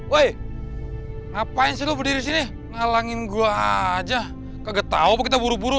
woi ngapain sih lo berdiri sini ngalangin gue aja kagetau apa kita buru buru